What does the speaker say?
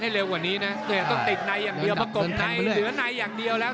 เร็วกว่านี้นะต้องติดในอย่างเดียวประกบในเหลือในอย่างเดียวแล้ว